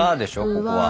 ここは。